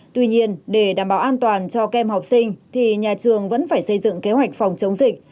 tuy nhiên để đảm bảo an toàn cho các em học sinh thì nhà trường vẫn phải xây dựng kế hoạch phòng chống dịch